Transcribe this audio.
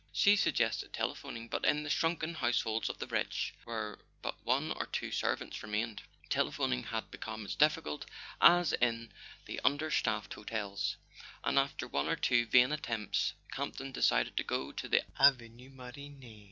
She suggested telephoning; but in the shrunken households of the rich, where but one or two servants remained, telephoning had become as difficult as in the under staffed hotels; and after one or two vain attempts Campton decided to go to the Avenue Marigny.